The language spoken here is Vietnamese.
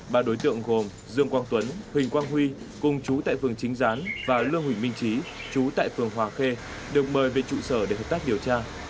ba đối tượng gồm dương quang tuấn huỳnh quang huy cùng chú tại phường chính gián và lương huỳnh minh trí chú tại phường hòa khê được mời về trụ sở để hợp tác điều tra